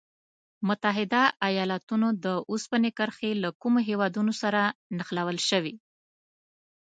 متحد ایلاتونو د اوسپنې کرښې له کومو هېوادونو سره نښلول شوي؟